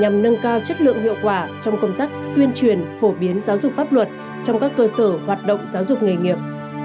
tăng cường công tác phổ biến giáo dục pháp luật trong các cơ sở giáo dục nghề nghiệp